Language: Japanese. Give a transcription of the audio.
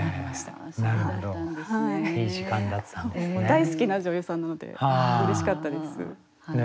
大好きな女優さんなのでうれしかったです。